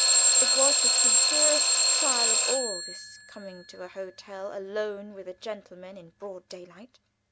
It was the severest trial of all, this coming to a hotel alone with a gentleman in broad daylight.